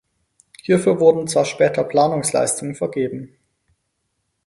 Hierfür wurden zwar später Planungsleistungen vergeben.